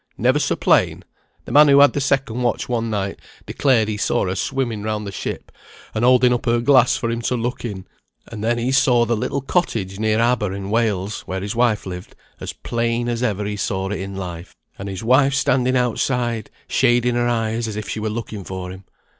"Never so plain; the man who had the second watch one night declared he saw her swimming round the ship, and holding up her glass for him to look in; and then he saw the little cottage near Aber in Wales (where his wife lived) as plain as ever he saw it in life, and his wife standing outside, shading her eyes as if she were looking for him.